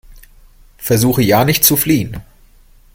Versuche ja nicht zu fliehen!